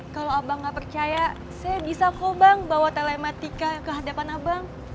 kalau abang nggak percaya saya bisa kok bang bawa telematika ke hadapan abang